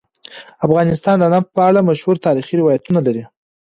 افغانستان د نفت په اړه مشهور تاریخی روایتونه لري.